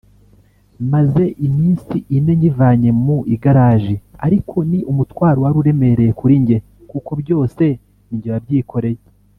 Maze iminsi ine nyivanye mu igaraji ariko ni umutwaro wari uremereye kuri njye kuko byose ni njye wabyikoreye